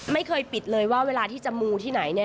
ไม่เคยปิดเลยว่าเวลาที่จะมูที่ไหนเนี่ย